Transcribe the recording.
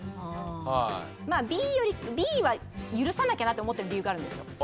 まあＢは許さなきゃなって思ってる理由があるんですよ。